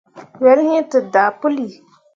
Wel iŋ te daa puli.